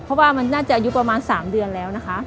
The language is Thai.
เพราะว่ามันน่าจะอายุประมาณ๓เดือนแล้วนะคะ